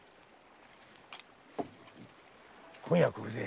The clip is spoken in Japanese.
今夜はこれで。